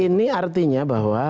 ini artinya bahwa